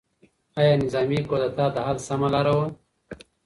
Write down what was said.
ایا نظامي کودتا د حل سمه لاره وه؟